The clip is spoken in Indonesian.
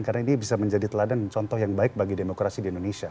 karena ini bisa menjadi teladan contoh yang baik bagi demokrasi di indonesia